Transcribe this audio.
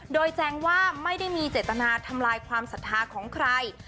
โดยแจ้งว่าไม่ได้มีเจตนาทำลายความศรัทธาของใคร